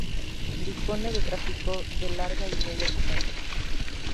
Dispone de tráfico de Larga y Media Distancia.